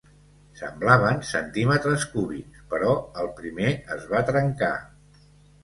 Semblaven centímetres cúbics, però el primer es va trencar.